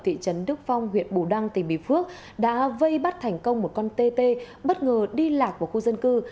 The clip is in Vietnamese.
thị trấn đức phong huyện bù đăng tỉnh bì phước đã vây bắt thành công một con tê tê bất ngờ đi lạc vào khu dân cư